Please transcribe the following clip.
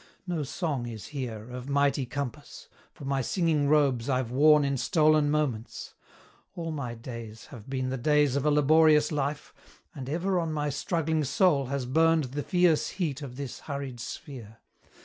No song is here Of mighty compass; for my singing robes I've worn in stolen moments. All my days Have been the days of a laborious life, And ever on my struggling soul has burned The fierce heat of this hurried sphere.